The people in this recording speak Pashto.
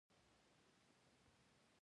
ستړیا د انرژۍ کمښت نښه ده